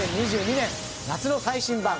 ２０２２年夏の最新版。